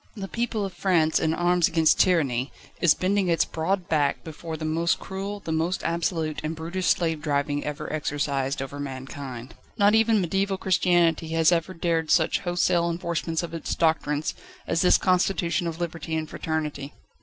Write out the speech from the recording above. The people of France, in arms against tyranny, is bending its broad back before the most cruel, the most absolute and brutish slave driving ever exercised over mankind. Not even mediaeval Christianity has ever dared such wholesale enforcements of its doctrines, as this constitution of Liberty and Fraternity.